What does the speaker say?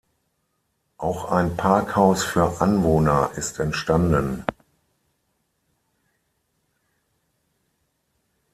Auch ein Parkhaus für Anwohner ist entstanden.